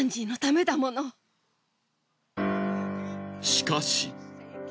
しかし。